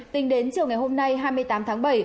tính đến chiều ngày hôm nay hai mươi tám tháng bảy